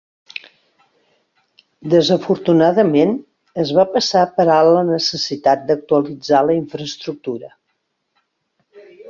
Desafortunadament, es va passar per alt la necessitat d'actualitzar la infraestructura.